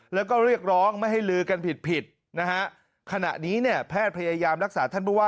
แล้วก็เรียกร้องไม่ให้ลือกันผิดผิดนะฮะขณะนี้เนี่ยแพทย์พยายามรักษาท่านผู้ว่า